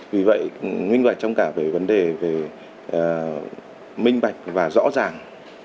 vì vậy minh bạch trong cả về vấn đề về minh bạch và rõ ràng